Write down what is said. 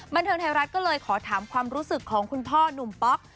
บันเทิงไทยรัฐก็เลยขอถามความรู้สึกของคุณพ่อหนุ่มป๊อก